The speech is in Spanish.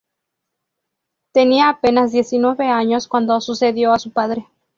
Tenía apenas diecinueve años cuando sucedió a su padre.